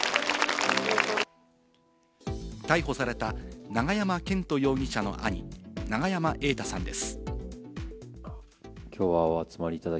逮捕された永山絢斗容疑者の兄・永山瑛太さんです。